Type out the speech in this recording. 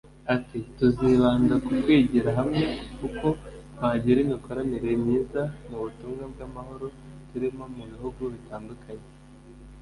Ati “Tuzibanda ku kwigira hamwe uko twagira imikoranire myiza mu butumwa bw’amahoro turimo mu bihugu bitandukanye